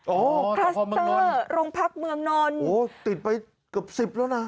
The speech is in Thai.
โอ้คลัสเตอร์รงพักเมืองนนโอ้ติดไปกับ๑๐แล้วนะ